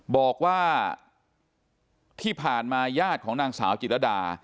บอกว่าที่ผ่านมาญาติของนางสาวจิตรดา